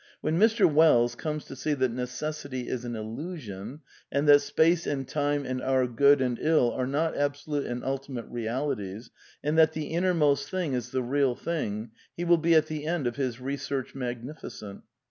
When Mr. Wells comes to see that Necessity is an illusion, and that space and time and our good and ill, are not absolute and ultimate realities, and that the *^ innermost thing " is the Heal Thing, he will be at the end of his Eesearch Magnificent.